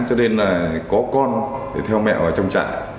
cho nên là có con thì theo mẹ vào trong trại